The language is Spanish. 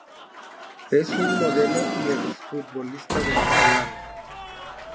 Es un Modelo y ex-futbolista Venezolano.